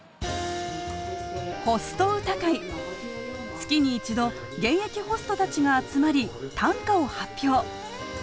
月に１度現役ホストたちが集まり短歌を発表。